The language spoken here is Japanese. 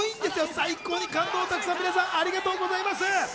最高の感動、皆さんありがとうございます。